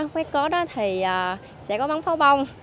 quét code thì sẽ có bóng pháo bông